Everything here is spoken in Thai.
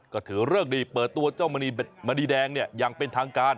ก็ถือเริ่มดีเปิดตัวเจ้ามณีแดงยังเป็นทางการ